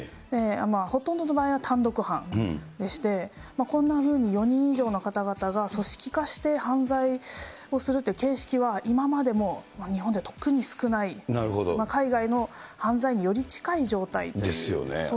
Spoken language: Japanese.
ほとんどの場合は単独犯でして、こんなふうに４人以上の方々が組織化して犯罪をするという形式は今までも日本では特に少ない、海外の犯罪により近い状態という。